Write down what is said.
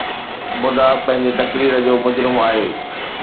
مدعا پنهنجي تقرير جو مجرم آهي